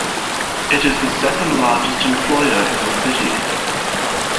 It is the second-largest employer in the city.